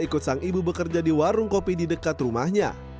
ikut sang ibu bekerja di warung kopi di dekat rumahnya